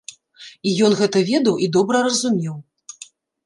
І ён гэта ведаў і добра разумеў.